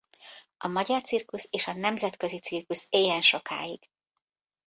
A magyar cirkusz és a nemzetközi cirkusz éljen sokáig!